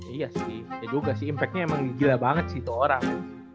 iya sih juga sih impact nya emang gila banget sih itu orang